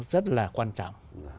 rất là quan trọng